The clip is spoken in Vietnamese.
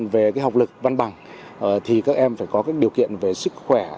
về học lực văn bằng thì các em phải có các điều kiện về sức khỏe